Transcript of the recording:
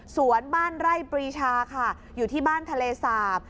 สวนบ้านไร่ปรีชาค่ะอยู่ที่บ้านทะเลสาบ